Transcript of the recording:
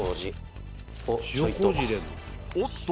おっと？